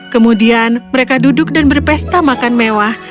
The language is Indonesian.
kemudian mereka duduk dan berpesta makan mewah